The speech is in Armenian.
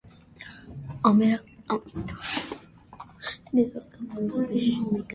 Ամերիկացի զինվորների ոչ մեծ խումբը դարան է մտնում՝ սպասելով գերմանացիներին։